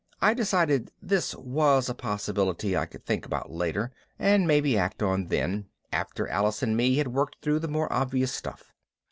I decided this was a possibility I could think about later and maybe act on then, after Alice and me had worked through the more obvious stuff.